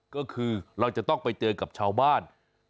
ก็คือเราจะต้องไปเจอกับชาวบ้าน